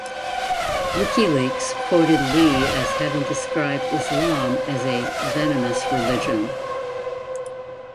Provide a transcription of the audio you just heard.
Wikileaks quoted Lee as having described Islam as a "venomous religion".